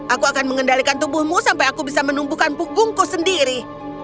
aku akan mengendalikan tubuhmu sampai aku bisa menumbuhkan punggungku sendiri